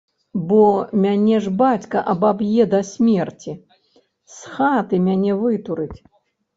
Бо мяне ж бацька абаб'е да смерці, з хаты мяне вытурыць.